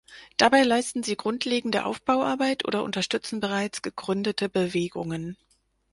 Dabei leisten sie grundlegende Aufbauarbeit oder unterstützen bereits gegründete Bewegungen.